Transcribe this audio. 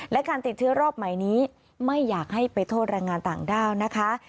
และการติดเชื้อรอบใหม่นี้ไม่อยากให้ไปโทษแรงงานต่างด้าวนะคะ